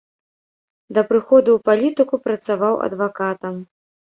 Да прыходу ў палітыку працаваў адвакатам.